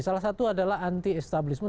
salah satu adalah anti establishment